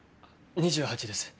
２８です。